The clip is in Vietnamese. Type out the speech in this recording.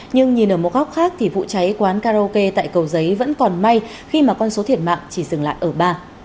nhưng nhìn ở một góc khác thì vụ cháy quán karaoke tại cầu giấy vẫn còn may khi mà con số thiệt mạng chỉ dừng lại ở ba